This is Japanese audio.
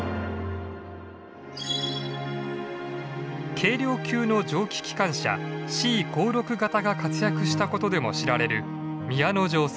軽量級の蒸気機関車Ｃ５６形が活躍したことでも知られる宮之城線。